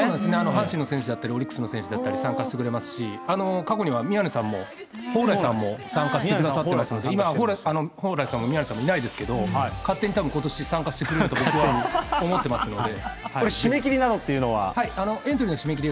阪神の選手だったり、オリックスの選手だったり、参加してくれますし、過去には宮根さんも、蓬莱さんも参加してくださってますので、今、蓬莱さんも宮根さんもいないですけど、勝手にたぶん、ことし参加してくれると僕は思ってますので。